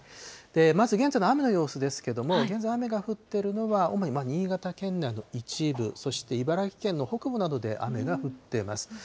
まず現在の雨の様子ですけれども、現在、雨が降っているのは主に新潟県内の一部、そして茨城県の北部などで雨が降ってます。